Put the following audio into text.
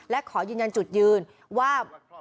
และขอยืนยันจุดยืนว่า